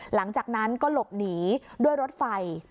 หลังจากนั้นก็หลบหนีด้วยรถไฟ